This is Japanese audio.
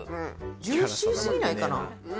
ジューシー過ぎないかな。